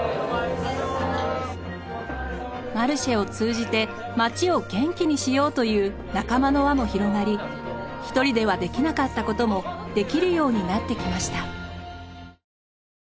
マルシェを通じて町を元気にしようという仲間の輪も広がり一人ではできなかったこともできるようになってきました。